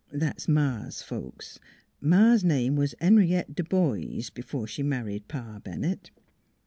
That's Ma's folks; Ma's name was Henrietta D'boise b'fore she married Pa Bennett."